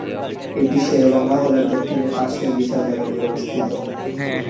এটি শেরে বাংলা হলের দক্ষিণে পাশে বিশাল জায়গা জুড়ে অবস্থিত।